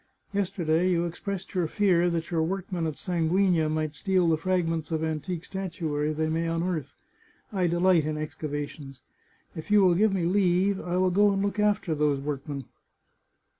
Yesterday you expressed your fear that your workmen at Sanguigna might steal the fragments of antique statu ary they may unearth. I delight in excavations. If you will give me leave, I will go and look after those work men.